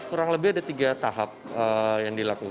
kurang lebih ada tiga tahap yang dilakukan